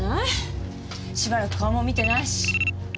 しばらく顔も見てないし。